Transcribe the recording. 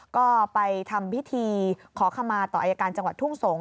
ก็ไปทำพิธีขอขมาต่ออายการจังหวัดทุ่งสงศ